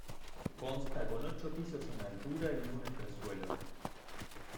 Consta con ocho pisos en altura y un entresuelo.